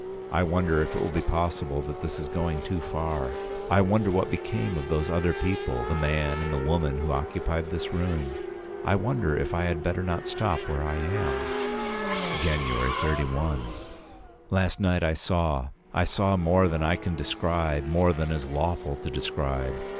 I wonder if it be possible that this is going too far? I wonder what became of those other people, the man and the woman who occupied this room? I wonder if I had better not stop where I am? "January 31. Last night I saw — I saw more than I can describe, more than is lawful to describe.